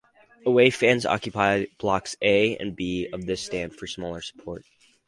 Away Fans Occupy Blocks A and B of this Stand for smaller support.